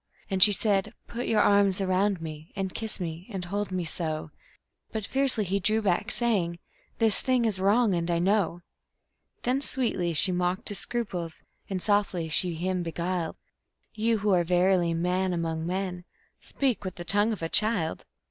And she said: "Put your arms around me, and kiss me, and hold me so " But fiercely he drew back, saying: "This thing is wrong, and I know." Then sweetly she mocked his scruples, and softly she him beguiled: "You, who are verily man among men, speak with the tongue of a child.